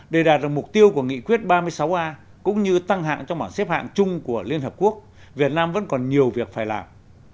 để đạt được mục tiêu của nghị quyết ba mươi sáu a cũng như tăng hạng trong bảng xếp hạng chung của liên hợp quốc việt nam vẫn còn nhiều việc phải làm